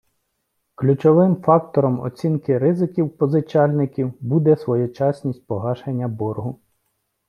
Ключовим фактором оцінки ризиків позичальників буде своєчасність погашення боргу.